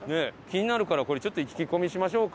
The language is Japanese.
気になるからこれちょっと聞き込みしましょうか。